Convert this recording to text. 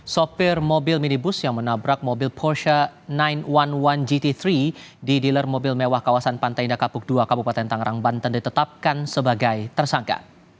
sopir mobil minibus yang menabrak mobil porsha sembilan ratus satu gt tiga di dealer mobil mewah kawasan pantai indah kapuk dua kabupaten tangerang banten ditetapkan sebagai tersangka